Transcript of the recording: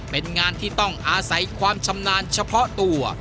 เป็นงานที่ต้องอาศัยความชำนาญเฉพาะตัว